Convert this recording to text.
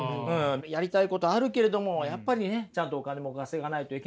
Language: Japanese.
やりたいことあるけれどもやっぱりねちゃんとお金も稼がないといけないと。